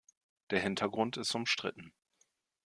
Der Hintergrund ist umstritten.